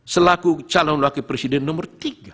selaku calon wakil presiden nomor tiga